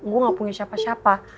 gue gak punya siapa siapa